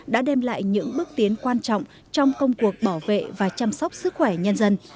đã đem lại những bước tiến quan trọng trong công cuộc bảo vệ và chăm sóc sức khỏe nhân dân